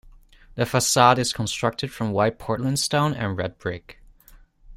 The facade is constructed from white Portland stone and red brick.